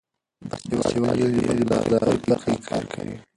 باسواده نجونې د باغدارۍ په برخه کې کار کوي.